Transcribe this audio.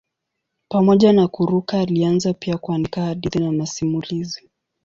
Pamoja na kuruka alianza pia kuandika hadithi na masimulizi.